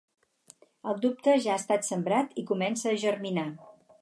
El dubte ja ha estat sembrat i comença a germinar.